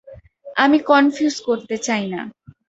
আমি কনফিউজ করতে চাই না।